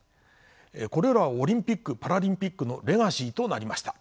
これらはオリンピック・パラリンピックのレガシーとなりました。